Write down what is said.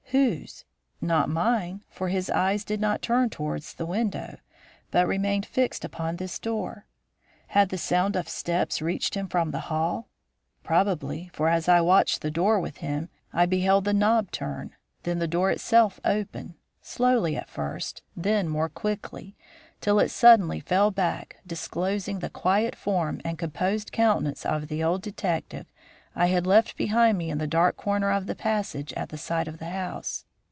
Whose? Not mine, for his eyes did not turn towards the window, but remained fixed upon this door. Had the sound of steps reached him from the hall? Probably, for, as I watched the door with him, I beheld the knob turn, then the door itself open, slowly at first, then more quickly, till it suddenly fell back, disclosing the quiet form and composed countenance of the old detective I had left behind me in the dark corner of the passage at the side of the house.